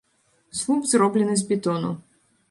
Слуп зроблены з бетону.